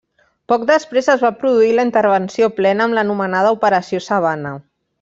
Poc després es va produir la intervenció plena amb l'anomenada Operació Savannah.